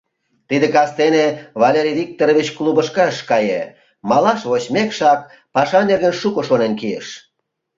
Тиде кастене Валерий Викторович клубышко ыш кае, малаш вочмекшат, паша нерген шуко шонен кийыш...